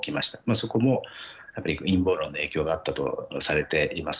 そこも陰謀論の影響があったとされています。